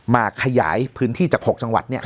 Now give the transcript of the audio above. มาขยายพื้นที่จาก๖จังหวัด